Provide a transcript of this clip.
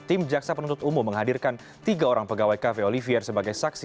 tim jaksa penuntut umum menghadirkan tiga orang pegawai cafe olivier sebagai saksi